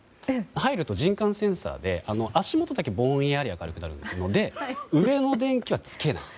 入ると人感センサーで足元だけぼんやり明るくなるので上の電気はつけない。